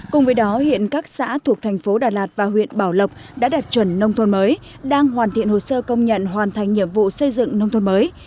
cùng với đó hiện các xã thuộc thành phố đà lạt và huyện bảo lộc đã đạt chuẩn nông thôn mới đang hoàn thiện hồ sơ công nhận hoàn thành nhiệm vụ xây dựng nông thôn mới